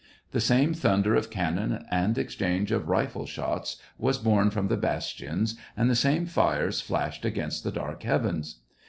The same thunder of cannon and exchange of rifle shots was borne from the bastions, and the same fires flashed against the dark heavens.